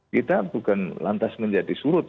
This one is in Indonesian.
kita bukan lantas menjadi surut